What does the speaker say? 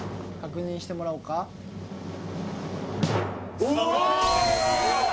確認してもらおうかうわ！